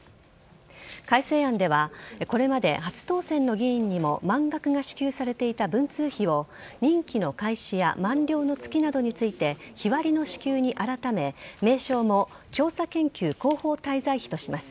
改正案ではこれまで初当選の議員にも満額が支給されていた文通費を任期の開始や満了の月などについて日割りの支給に改め名称も調査研究広報滞在費とします。